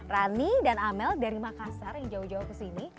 rani dan amel dari makassar yang jauh jauh kesini